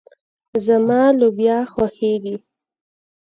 زما لوبيا خوښيږي.